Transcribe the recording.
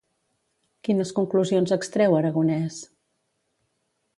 Quines conclusions extreu Aragonès?